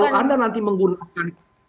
kalau anda nanti menggunakan